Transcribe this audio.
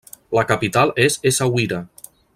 La capital és Essaouira.